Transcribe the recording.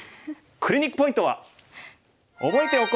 クリニックポイントは。